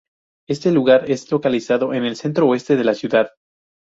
Este lugar es localizado en el centro oeste de la ciudad.